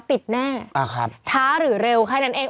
ติดแน่ช้าหรือเร็วแค่นั้นเอง